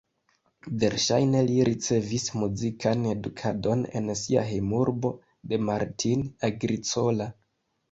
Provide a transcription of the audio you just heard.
Verŝajne li ricevis muzikan edukadon en sia hejmurbo de Martin Agricola.